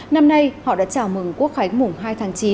năm nay họ đã chào mừng quốc khánh mùng hai tháng chín